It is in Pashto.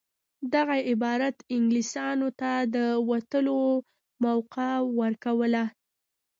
دغه عبارت انګلیسیانو ته د وتلو موقع ورکوله.